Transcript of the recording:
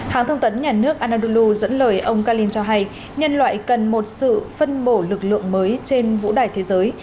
hãng thông tấn nhà nước anadulu dẫn lời ông kalin cho hay nhân loại cần một sự phân bổ lực lượng mới trên vũ đài thế giới